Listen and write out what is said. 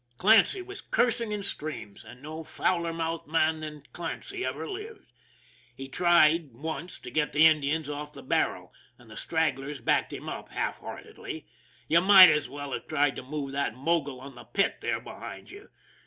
Clancy was cursing in streams; and no fouler mouthed man than Clancy ever lived. He tried once to get the Indians off the barrel, and the stragglers backed him up half heartedly. You might as well have tried to move that mogul on the pit there behind you.